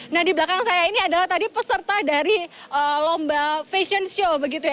nah di belakang saya ini adalah tadi peserta dari lomba fashion show begitu ya